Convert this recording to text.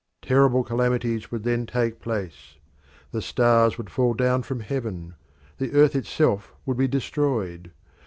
Terrible calamities would then take place; the stars would fall down from heaven; the earth itself would be destroyed.